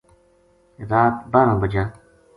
رات باہرہ بجا